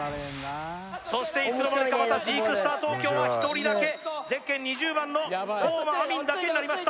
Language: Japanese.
そしていつの間にかまたジークスター東京は１人だけゼッケン２０番の高間アミンだけになりました